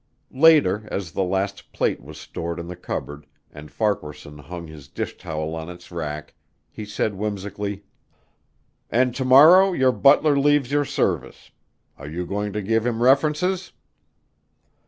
Later as the last plate was stored in the cupboard and Farquaharson hung his dish towel on its rack, he said whimsically, "And to morrow your butler leaves your service. Are you going to give him references?"